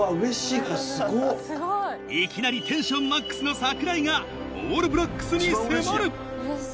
いきなりテンションマックスの櫻井がオールブラックスに迫る！